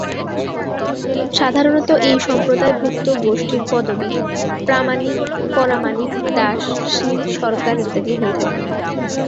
সাধারণত এই সম্প্রদায় ভুক্ত গোষ্ঠীর পদবি প্রামানিক, পরামানিক, দাস, শীল, সরকার, ইত্যাদি হয়ে থাকে।